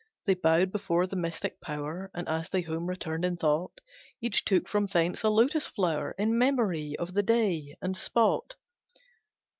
They bowed before the mystic Power, And as they home returned in thought, Each took from thence a lotus flower In memory of the day and spot.